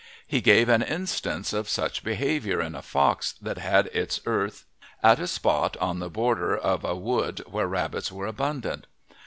He gave an instance of such behaviour in a fox that had its earth at a spot on the border of a wood where rabbits were abundant.